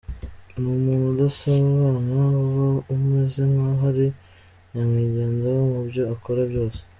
Ni umuntu udasabana, uba umeze nkaho ari nyamwigendaho mu byo akora byose.